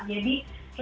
dari w s pratman